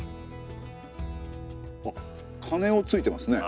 あ鐘をついてますね。